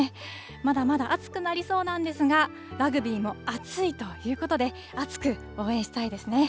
まだまだ暑くなりそうなんですが、ラグビーも熱いということで、熱く応援したいですね。